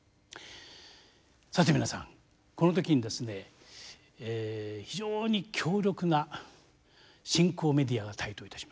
さて皆さんこの時に非常に強力な新興メディアが台頭いたしました。